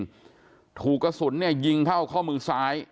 ถูกกระสุนเงลถูกกระสุนยิงเข้าทางเคาะข้อมือซ้าย